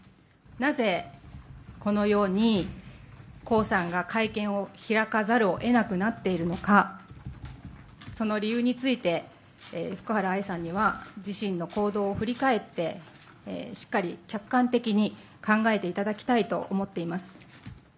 なぜこのように江さんが会見を開かざるをえなくなっているのか、その理由について、福原愛さんには、自身の行動を振り返って、しっかり客観的に考えていただきたいと思っています。